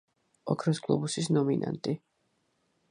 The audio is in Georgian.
ოქროს გლობუსის ნომინანტი.